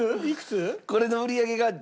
これの売り上げが。